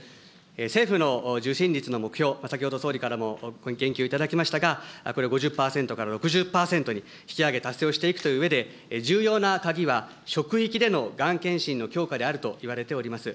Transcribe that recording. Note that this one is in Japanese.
政府の受診率の目標、先ほど総理からも言及いただきましたが、これを５０％から６０％に引き上げ達成をしていくといううえで、重要な鍵は、職域でのがん検診の強化であるといわれております。